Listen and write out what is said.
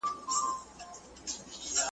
ته هم چایې په توده غېږ کي نیولی؟ ,